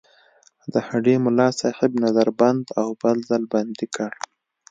د هډې ملاصاحب نظر بند او بل ځل بندي کړ.